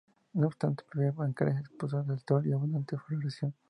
No obstante, prefiere bancales expuestos al sol y con abundante floración.